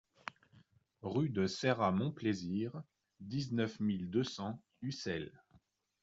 Rue de Ceyrat Montplaisir, dix-neuf mille deux cents Ussel